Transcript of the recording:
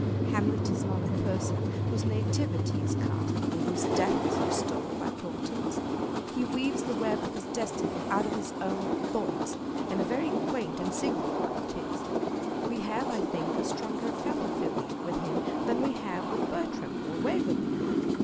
Hamlet is not a person whose nativity is cast, or whose death is foretold by portents : he weaves the web of his destiny out of his own thoughts, and a very quaint and singular one it is. We have, I think, a stronger fellow feeling with him than we have with Bertram or Waverley.